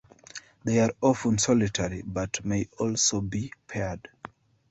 They are often solitary but may also be paired.